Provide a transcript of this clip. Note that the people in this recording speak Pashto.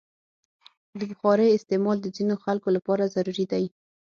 د بخارۍ استعمال د ځینو خلکو لپاره ضروري دی.